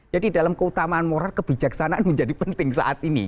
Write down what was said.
jadi dalam keutamaan moral kebijaksanaan menjadi penting saat ini